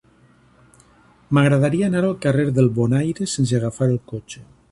M'agradaria anar al carrer del Bonaire sense agafar el cotxe.